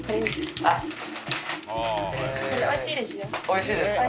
おいしいですか？